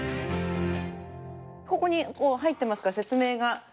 ここに入ってますから説明が。